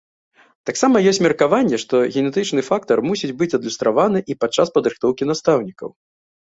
Таксама ёсць меркаванне, што генетычны фактар мусіць быць адлюстраваны і падчас падрыхтоўкі настаўнікаў.